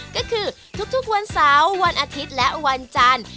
ก็คือทุกวันเสาร์วันอาทิตย์และวันจันทร์